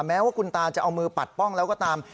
แม้ว่าคุณตาจะเอามือปัดป้องแล้วก็ตาม